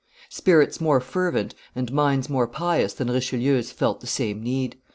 Spirits more fervent and minds more pious than Richelieu's felt the same need.